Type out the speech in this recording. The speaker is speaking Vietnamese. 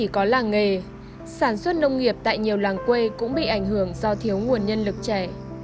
công nghiệp tại nhiều làng quê cũng bị ảnh hưởng do thiếu nguồn nhân lực trẻ